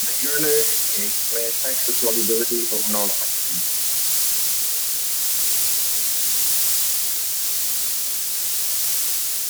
The urinary pH may affect the solubility of norfloxacin.